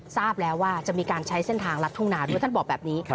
ทราบแล้วว่าจะมีการใช้เส้นทางลัดทุ่งนาด้วยท่านบอกแบบนี้